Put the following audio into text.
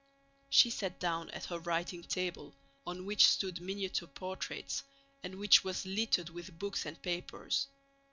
She sat down at her writing table, on which stood miniature portraits and which was littered with books and papers.